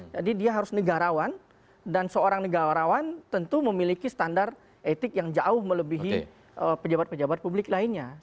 jadi dia harus negarawan dan seorang negarawan tentu memiliki standar etik yang jauh melebihi pejabat pejabat publik lainnya